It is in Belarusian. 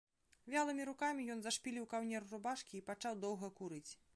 Вялымі рукамі ён зашпіліў каўнер рубашкі і пачаў доўга курыць.